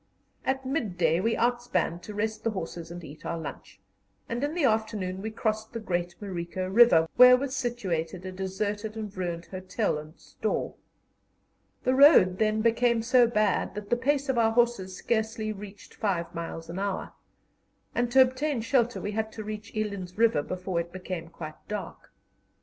At midday we outspanned to rest the horses and eat our lunch, and in the afternoon we crossed the great Marico River, where was situated a deserted and ruined hotel and store. The road then became so bad that the pace of our horses scarcely reached five miles an hour, and to obtain shelter we had to reach Eland's River before it became quite dark.